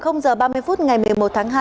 h ba mươi phút ngày một mươi một tháng hai